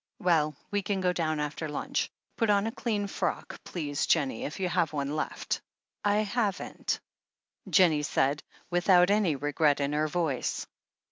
"Well, we can go down after lunch. Put on a clean frock, please, Jennie, if you have one left." "I haven't," Jennie said, without any regret in her voice.